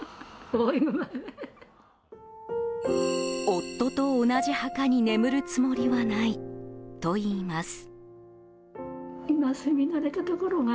夫と同じ墓に眠るつもりはないといいます。